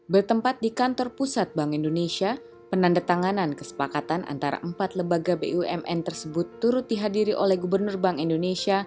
bertempat di kantor pusat bank indonesia penandatanganan kesepakatan antara empat lembaga bumn tersebut turut dihadiri oleh gubernur bank indonesia